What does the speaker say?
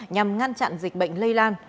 nhằm ngăn chặn dịch bệnh lây lan